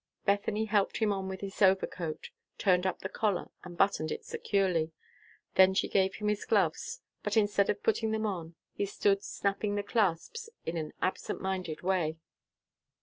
Bethany helped him on with his overcoat, turned up the collar, and buttoned it securely. Then she gave him his gloves; but instead of putting them on, he stood snapping the clasps in an absent minded way.